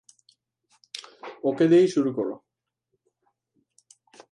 ওকে দিয়েই শুরু করো।